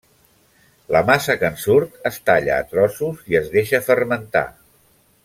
La massa que en surt es talla a trossos i es deixa fermentar.